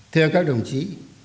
theo các đồng chí